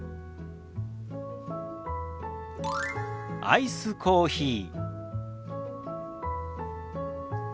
「アイスコーヒー」。